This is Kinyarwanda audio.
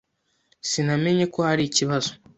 Sinamenye ko hari ikibazo.